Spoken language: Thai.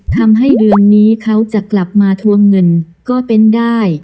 ทำให้เดือนนี้เขาจะกลับมาทวงเงินก็เป็นได้